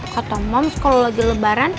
kata mams kalau lagi lebaran